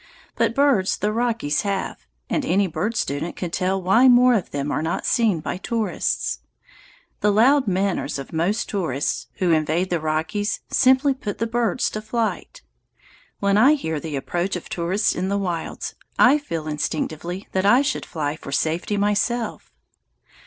But birds the Rockies have, and any bird student could tell why more of them are not seen by tourists. The loud manners of most tourists who invade the Rockies simply put the birds to flight. When I hear the approach of tourists in the wilds, I feel instinctively that I should fly for safety myself.